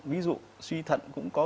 ví dụ suy thận cũng có